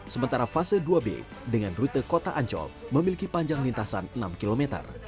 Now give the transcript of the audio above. sementara fase dua b dengan rute kota ancol memiliki panjang lintasan enam km